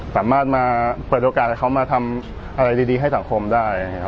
สามารถมาเปิดโอกาสให้เขามาทำอะไรดีให้สังคมได้